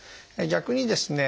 逆にですね